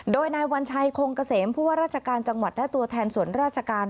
โดยนายวัญชัยคงเกษมผู้ว่าราชการจังหวัดและตัวแทนส่วนราชการ